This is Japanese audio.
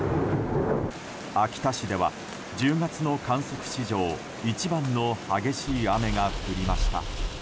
秋田市では１０月の観測史上一番の激しい雨が降りました。